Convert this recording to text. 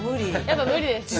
やっぱムリです。